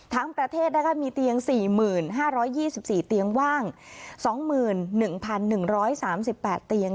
ทั้งประเทศมีเตียง๔๕๒๔เตียงว่าง๒๑๑๓๘เตียง